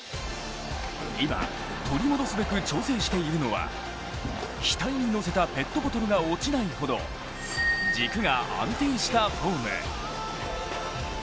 今、取り戻すべく調整しているのは額にのせたペットボトルが落ちないほど軸が安定したフォーム。